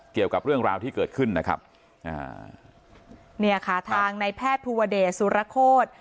เกี่ยวกับเรื่องราวที่เกิดขึ้นนะครับอ่าเนี่ยค่ะทางในแพทย์ภูวเดชสุรโคตร